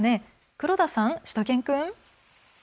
黒田さん、しゅと犬くん。